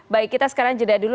baik kita sekarang jeda dulu